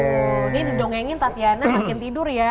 ini didongengin tatiana makin tidur ya